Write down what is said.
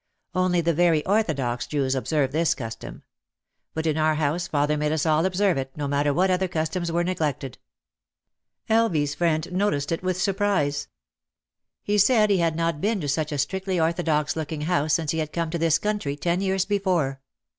Only the very orthodox Jews observe this custom. But in our house father made us all observe it, no matter what other customs were neglected. L. V/s friend noticed it with surprise. He said he had not been to such a strictly orthodox looking house since he had come to this country ten years before.